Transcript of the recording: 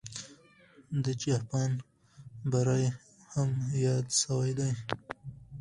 د جاپان بری هم یاد سوی دی.